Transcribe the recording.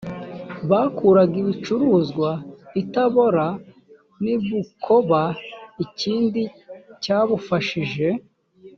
bakuraga ibicuruzwa i tabora n i bukoba ikindi cyabufashije